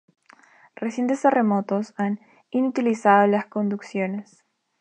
Recientes terremotos han inutilizado las conducciones.